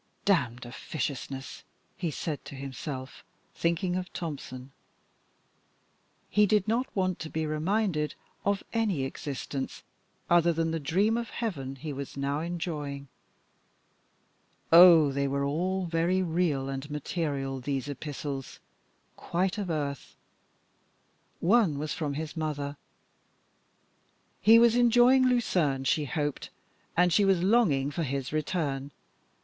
"Damned officiousness!" he said to himself, thinking of Tompson. He did not want to be reminded of any existence other than the dream of heaven he was now enjoying. Oh! they were all very real and material, these epistles quite of earth! One was from his mother. He was enjoying Lucerne, she hoped, and she was longing for his return.